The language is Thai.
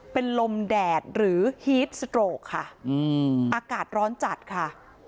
เป็นลมแดดหรือฮีตสโตรกค่ะอากาศร้อนจัดค่ะ